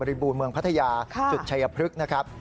บูรณ์เมืองพัทยาจุดชัยพฤกษ์นะครับ